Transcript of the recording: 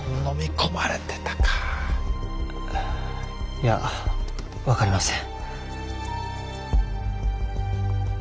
いや分かりません。